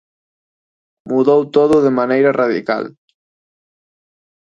Mudou todo de maneira radical.